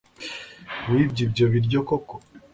Wibye ibyo biryo koko